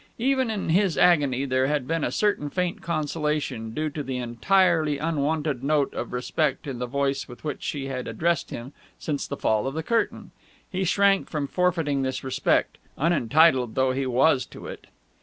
Even in his agony there had been a certain faint consolation, due to the entirely unwonted note of respect in the voice with which she had addressed him since the fall of the curtain. He shrank from forfeiting this respect, unentitled though he was to it.